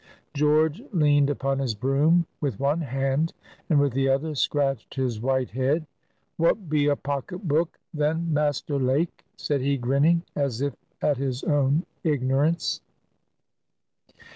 George leaned upon his broom with one hand, and with the other scratched his white head. "What be a pocket book, then, Master Lake?" said he, grinning, as if at his own ignorance.